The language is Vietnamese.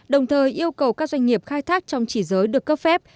đồng thời yêu cầu các doanh nghiệp khai thác trong chỉ giới được cấp phép